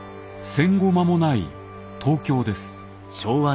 戦後間もない東京です。